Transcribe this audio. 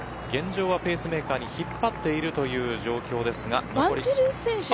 ペースメーカーに引っ張っているという状況です。